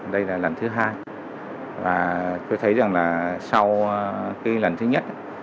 đây là lần thứ hai và tôi thấy rằng là sau khi lần thứ nhất